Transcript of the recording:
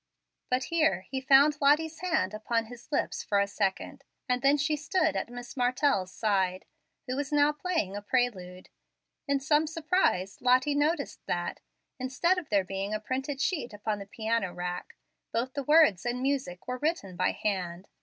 But here he found Lottie's hand upon his lips for a second, and then she stood at Miss Martell's side, who was now playing a prelude. In some surprise, Lottie noticed that, instead of there being a printed sheet upon the piano rack, both the words and music were written by hand.